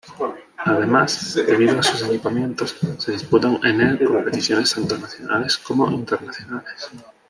Además, debido a sus equipamientos, se disputan en el competiciones tanto nacionales como internacionales.